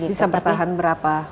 bisa bertahan berapa